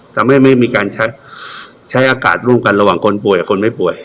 ทำให้ไม่มีการใช้ใช้อากาศร่วมกันระหว่างคนป่วยกับคนไม่ป่วย